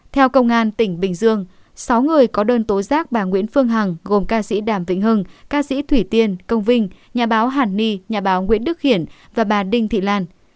theo công an tỉnh bình dương sáu người có đơn tố giác bà nguyễn phương hằng gồm ca sĩ đàm vĩnh hưng ca sĩ thủy tiên công vinh nhà báo hàn ni nhà báo nguyễn đức hiển và bà đinh thị lan